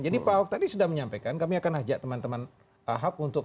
jadi pak ahok tadi sudah menyampaikan kami akan ajak teman teman ahok